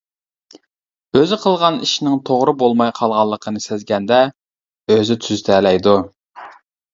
ئۆزى قىلغان ئىشنىڭ توغرا بولماي قالغانلىقىنى سەزگەندە، ئۆزى تۈزىتەلەيدۇ.